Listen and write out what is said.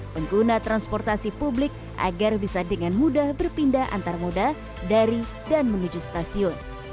pengguna transportasi publik agar bisa dengan mudah berpindah antar moda dari dan menuju stasiun